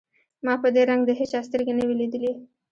ما په دې رنگ د هېچا سترګې نه وې ليدلې.